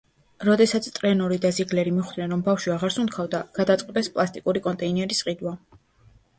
როდესაც ტრენორი და ზიგლერი მიხვდნენ, რომ ბავშვი აღარ სუნთქავდა, გადაწყვიტეს პლასტიკური კონტეინერის ყიდვა.